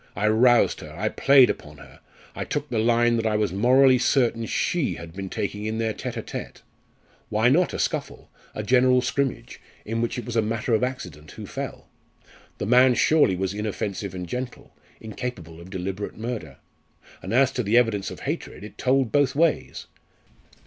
I roused her I played upon her! I took the line that I was morally certain she had been taking in their tête à tête. Why not a scuffle? a general scrimmage? in which it was matter of accident who fell? The man surely was inoffensive and gentle, incapable of deliberate murder. And as to the evidence of hatred, it told both ways.